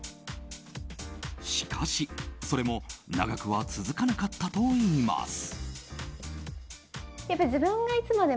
しかし、それも長くは続かなかったといいます。